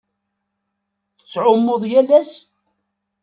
Tettɛummuḍ yal ass?